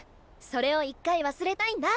それを１回忘れたいんだ！